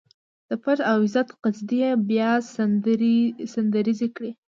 د پت او عزت قصيدې يې بيا سندريزې کړې.